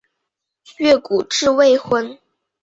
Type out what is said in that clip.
越谷治未婚。